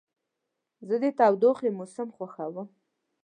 زه د تودوخې موسم خوښوم.